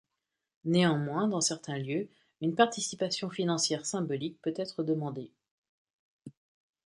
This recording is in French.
Néanmoins dans certains lieux, une participation financière symbolique peut être demandée.